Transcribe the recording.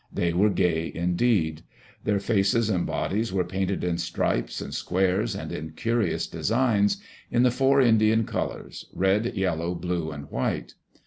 They were gay indeed. [Their faces and bodies were painted In stripes and squares and in curious designs, in the four Indian colors — red, yellow, blue, and white.